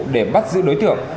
để bắt giữ đối tượng